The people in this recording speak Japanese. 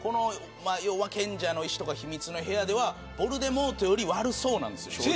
賢者の石とか秘密の部屋ではヴォルデモートより悪そうなんです。